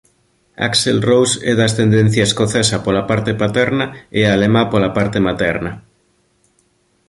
Axl Rose é de ascendencia escocesa pola parte paterna e alemá pola parte materna.